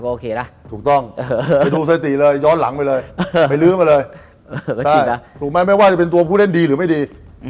โอเคนะถูกต้องไปดูสติเลยย้อนหลังไปเลยไปลื้อมาเลยก็จริงนะถูกไหมไม่ว่าจะเป็นตัวผู้เล่นดีหรือไม่ดี